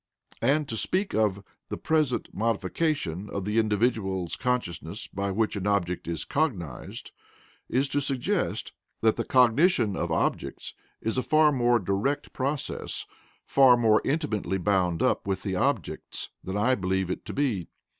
And to speak of "the present modification of the individual's consciousness by which an object is cognized" is to suggest that the cognition of objects is a far more direct process, far more intimately bound up with the objects, than I believe it to be.